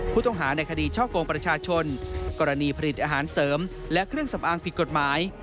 ผู้ต้องหาในคดีช่อกงประชาชนกรณีผลิตอาหารเสริมและเครื่องสำอางผิดกฎหมาย